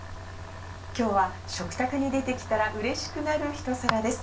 今日は食卓に出てきたらうれしくなる一皿です。